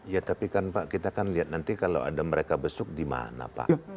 ya tapi kan pak kita kan lihat nanti kalau ada mereka besuk di mana pak